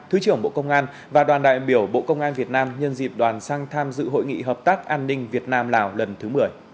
thứ trưởng bộ công an và đoàn đại biểu bộ công an việt nam nhân dịp đoàn sang tham dự hội nghị hợp tác an ninh việt nam lào lần thứ một mươi